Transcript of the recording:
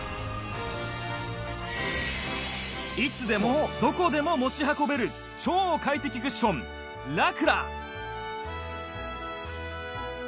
いつでもどこでも持ち運べる超快適クッションラクラ